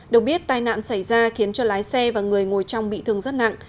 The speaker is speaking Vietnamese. được biết tai nạn xảy ra khiến cho lái xe và người ngồi trong bị thương rất nặng